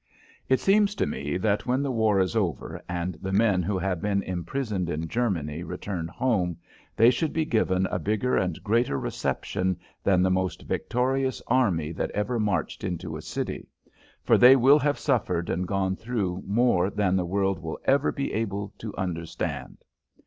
It seems to me that when the war is over and the men who have been imprisoned in Germany return home they should be given a bigger and greater reception than the most victorious army that ever marched into a city, for they will have suffered and gone through more than the world will ever be able to understand.